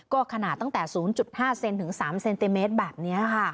ก็ขนาดตั้งแต่๐๕เซนถึง๓เซนติเมตรแบบนี้ค่ะ